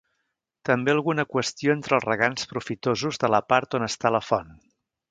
També alguna qüestió entre els regants profitosos de la part on està la font.